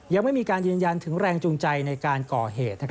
ยังไม่มีการยืนยันถึงแรงจูงใจในการก่อเหตุ